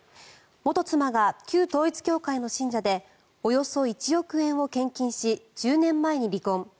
元妻が旧統一教会の信者でおよそ１億円を献金し１０年前に離婚。